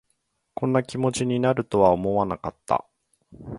こんな気持ちになるとは思わなかった